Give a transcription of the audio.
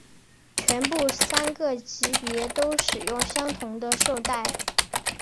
全部三个级别都使用相同的绶带。